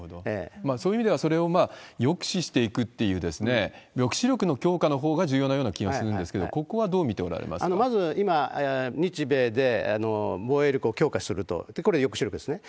そういう意味では、それを抑止していくっていう、抑止力の強化のほうが重要なような気がするんですけど、ここはどまず、今、日米で防衛力を強化すると、これ、抑止力ですね。